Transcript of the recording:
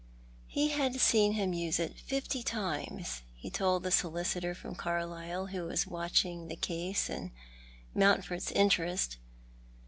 He had seen him use it fifty times, he told the solicitor from Carlisle who was watching the case in Mountford's interest.